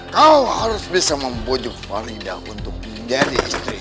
kau harus bisa membujuk farhidah untuk menjadi istriku